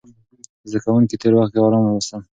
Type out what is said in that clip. زده کوونکي تېر وخت کې ارام لوستل.